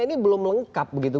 ini belum lengkap begitu